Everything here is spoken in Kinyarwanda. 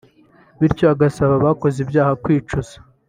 Bityo agasaba abakoze ibyaha kwicuza